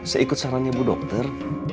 saya ikut sarannya bu dokter